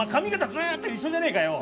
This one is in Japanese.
ずっと一緒じゃねえかよ。